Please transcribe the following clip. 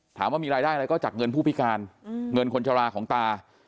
ถามว่ามีรายได้อะไรก็จากเงินผู้พิการเงินคนชะลาของตา